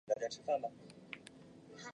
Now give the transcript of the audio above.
黑天竺鱼为天竺鲷科天竺鱼属的鱼类。